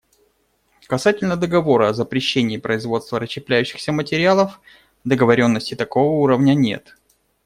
Касательно договора о запрещении производства расщепляющихся материалов договоренности такого уровня нет.